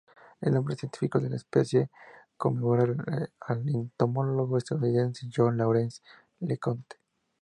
El nombre científico de la especie conmemora al entomólogo estadounidense John Lawrence LeConte.